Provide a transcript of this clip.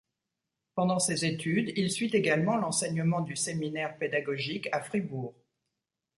Pendant ses études, il suit également l'enseignement du séminaire pédagogique à Fribourg.